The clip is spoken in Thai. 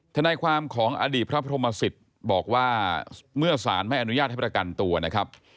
ทนายความของอดีตพระพรหมสิทธิ์บอกว่าเมื่อสารไม่อนุญาตให้ประกันตัวนะครับ